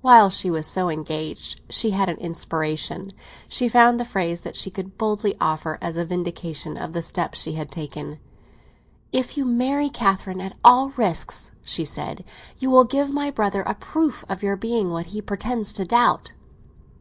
While she was so engaged she had an inspiration. She found the phrase that she could boldly offer as a vindication of the step she had taken. "If you marry Catherine at all risks" she said, "you will give my brother a proof of your being what he pretends to doubt."